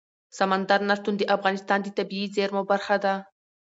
سمندر نه شتون د افغانستان د طبیعي زیرمو برخه ده.